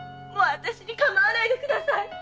もうあたしにかまわないでください。